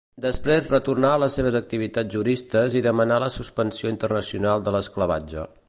Després retornà a les seves activitats juristes i demanà la supressió internacional de l'esclavatge.